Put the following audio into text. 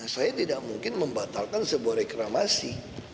saya tidak mungkin membatalkan sebuah reklamasi